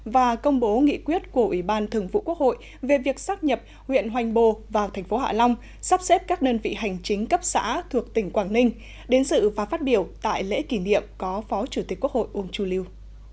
và công bố nghị quyết của ủy ban thường vụ quốc hội về việc xác nhập huyện hoành bồ vào thành phố hạ long sắp xếp các đơn vị hành chính cấp xã thuộc tỉnh quảng ninh đến sự và phát biểu tại lễ kỷ niệm có phó chủ tịch quốc hội uông chu liêu